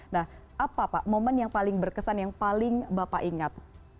nah apa pak momen yang paling berkesan yang paling bapak ingat